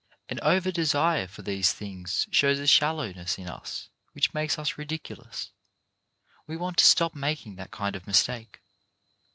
An over desire for these things shows a shallow SUBSTANCE vs. SHADOW 243 ness in us which makes us ridiculous. We want to stop making that kind of mistake.